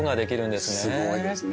すごいですね。